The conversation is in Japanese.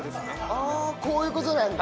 あぁこういうことなんだ。